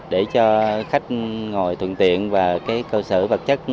để cho khách ngồi thuận tiện và cái cơ sở vật chất